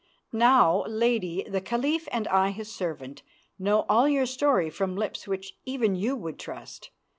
Now, Lady, the Caliph and I his servant know all your story from lips which even you would trust.